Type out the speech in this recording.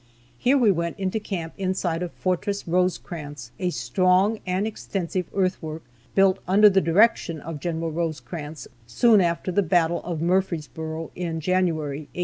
Here we went into camp inside of Fortress Rosecrans, a strong and extensive earthwork built under the direction of Gen. Rosecrans soon after the battle of Murfreesboro, in January, 1863.